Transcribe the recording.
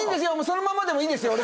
そのままでもいいんですよ。